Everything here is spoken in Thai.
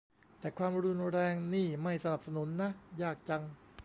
แต่ความรุนแรงนี่ไม่สนับสนุนนะ ยากจัง